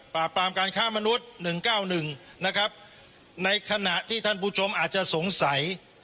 ปราบการฆ่ามนุษย์หนึ่งเก้าหนึ่งนะครับในขณะที่ท่านผู้ชมอาจจะสงสัย